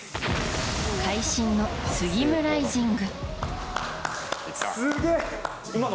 会心のスギムライジング。